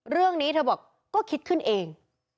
เรื่องนี้เธอบอกก็คิดขึ้นเอง